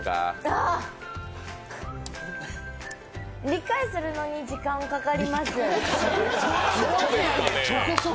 あ、理解するのに時間かかります。